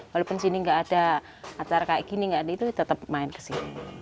walaupun sini nggak ada acara kayak gini itu tetap main kesini